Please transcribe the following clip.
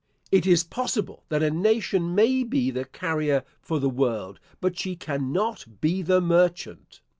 It is possible that a nation may be the carrier for the world, but she cannot be the merchant.